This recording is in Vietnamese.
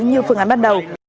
như phương án ban đầu